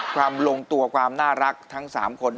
ลงตัวความน่ารักทั้ง๓คน